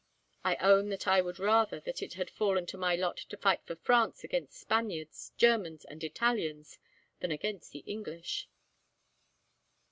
I own that I would rather that it had fallen to my lot to fight for France against Spaniards, Germans, and Italians, than against the English."